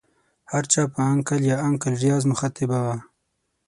هر چا په انکل یا انکل ریاض مخاطبه وه.